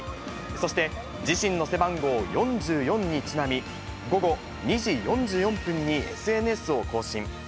そして、自身の背番号４４にちなみ、午後２時４４分にＳＮＳを更新。